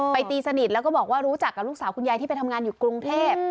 ตีสนิทแล้วก็บอกว่ารู้จักกับลูกสาวคุณยายที่ไปทำงานอยู่กรุงเทพ